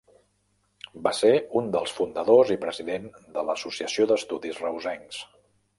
Va ser un dels fundadors i president de l'Associació d'Estudis Reusencs.